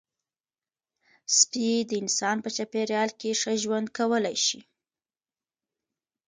سپي د انسان په چاپېریال کې ښه ژوند کولی شي.